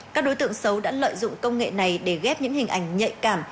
các đối tượng xấu đã lợi dụng công nghệ này để ghép những hình ảnh nhạy cảm